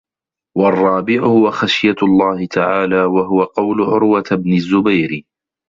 وَالرَّابِعُ هُوَ خَشْيَةُ اللَّهِ تَعَالَى وَهُوَ قَوْلُ عُرْوَةَ بْنِ الزُّبَيْرِ